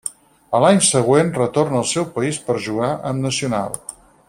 A l'any següent retorna al seu país per jugar amb Nacional.